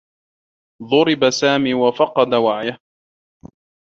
ضُرب سامي و فقد وعيه.